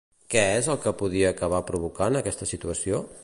Què és el que podria acabar provocant aquesta situació?